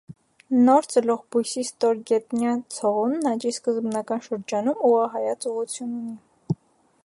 Նոր ծլող բույսի ստորգետնյա ցողունն աճի սկզբնական շրջանում ուղղահայաց ուղղություն ունի։